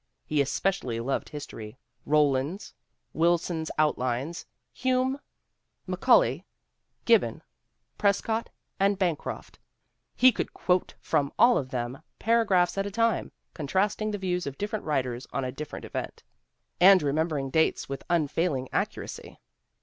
He especially loved history : Rollands, Wilson's Outlines, Hume, Macaulay, Gibbon, Prescott, and Bancroft, he could quote from all of them paragraphs at a time, contrasting the views of different writers on a given event, and remembering dates with unfailing accu racy."